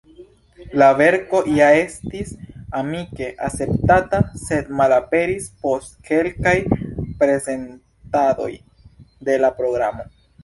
La verko ja estis amike akceptata, sed malaperis post kelkaj prezentadoj el la programo.